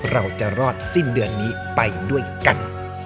เราจะรอดสิ้นเดือนนี้ไปด้วยกัน